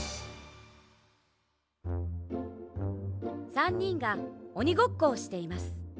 ３にんがおにごっこをしています